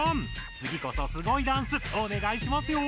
つぎこそすごいダンスおねがいしますよ！